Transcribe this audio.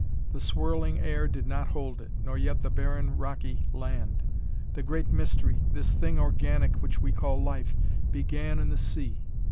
The swirling air did not hold it, nor yet the barren rocky land. The great mystery this thing organic which we call life began in the sea.